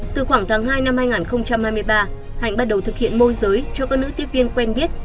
từ khoảng tháng hai năm hai nghìn hai mươi ba hạnh bắt đầu thực hiện môi giới cho các nữ tiếp viên quen biết